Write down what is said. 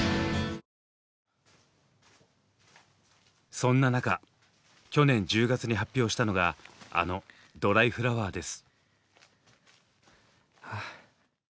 そんな中去年１０月に発表したのがあの「ドライフラワー」です。